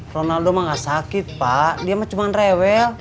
ronaldo mah gak sakit pak dia mah cuman rewel